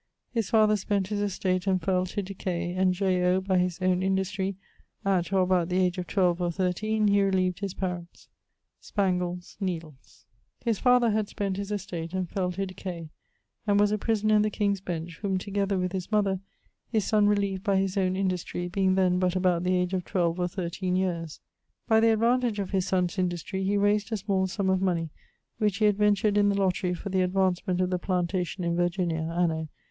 His father spent his estate and fell to decay; and J. O. by his owne industry[XXXVIII.] at or about the age of 12 or 13, he relieved his parents. [XXXVIII.] Spangles, needles. His father[AK] had spent his estate, and fell to decay, and was a prisoner in the King's Bench, whom, together with his mother, his son relieved by his owne industry, being then but about the age of 12 or 13 yeares. By the advantage of his sonne's industry, he raysed a small summe of money, which he adventured in the lottery for the advancement of the plantation in Virginia, anno